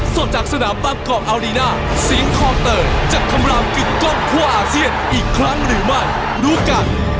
ส่วนจากสนามบ้านกรอบอารีน่า